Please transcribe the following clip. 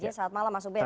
selamat malam mas ubed